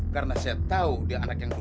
karena saya tahu dia anak yang dulu